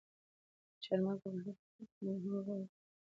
چار مغز د افغانستان په طبیعت کې یو مهم رول لري.